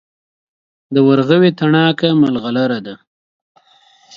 د ورغوي تڼاکه ملغلره ده.